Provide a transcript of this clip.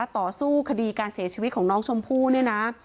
ต่อสู้คดีการเสียชีวิตของน้องชมพู่เนี่ยนะ